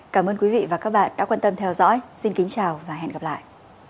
cảm ơn quý vị và các bạn đã quan tâm theo dõi xin kính chào và hẹn gặp lại